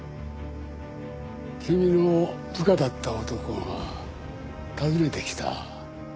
君の部下だった男が訪ねてきた。